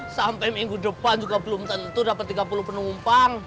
sampai minggu depan juga belum tentu dapat tiga puluh penumpang